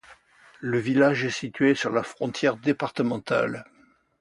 Le village est situé sur la frontière départementale.